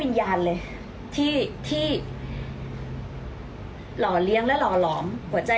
โดยงายกะแตลอย่างนางผู้นายได้